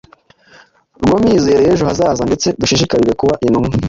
rwo mizero y’ejo hazaza. Ndetse dushishikarire kuba intumwa